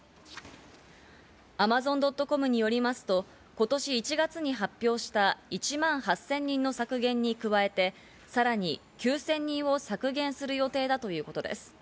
アマゾン・ドット・コムによりますと今年１月に発表した１万８０００人の削減に加えて、さらに９０００人を削減する予定だということです。